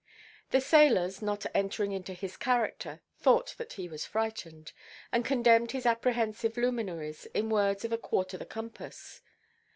The sailors, not entering into his character, thought that he was frightened, and condemned his apprehensive luminaries, in words of a quarter the compass.